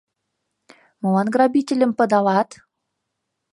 Молан грабительым пыдалат?..